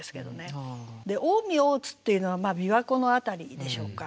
で「近江大津」っていうのは琵琶湖の辺りでしょうか。